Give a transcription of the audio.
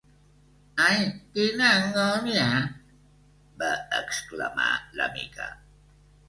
Ai, quina angúnia! —va exclamar la Mica.